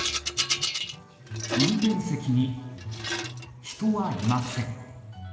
運転席に人はいません。